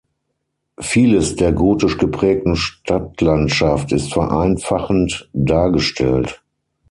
Vieles der gotisch geprägten Stadtlandschaft ist vereinfachend dargestellt.